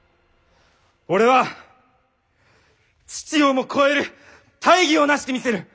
俺は父をも超える大義をなしてみせる！